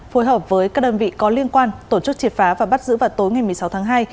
phối hợp với các đơn vị có liên quan tổ chức triệt phá và bắt giữ vào tối ngày một mươi sáu tháng hai